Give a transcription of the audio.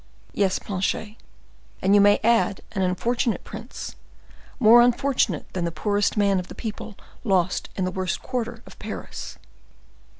"Yes, Planchet, and you may add an unfortunate prince, more unfortunate than the poorest man of the people lost in the worst quarter of Paris."